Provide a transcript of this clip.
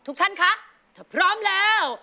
ทุกท่านคะถ้าพร้อมแล้ว